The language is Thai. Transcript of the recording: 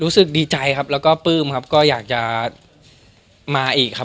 รู้สึกดีใจครับแล้วก็ปลื้มครับก็อยากจะมาอีกครับ